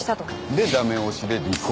で駄目押しで離婚。